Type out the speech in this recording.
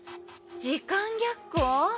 時間逆行？